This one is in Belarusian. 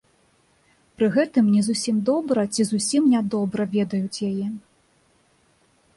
Пры гэтым не зусім добра ці зусім нядобра ведаюць яе.